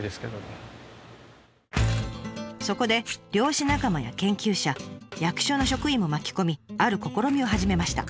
そこで漁師仲間や研究者役所の職員を巻き込みある試みを始めました。